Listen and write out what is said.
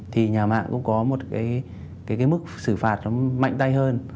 thì nhà mạng cũng có một cái mức xử phạt nó mạnh tay hơn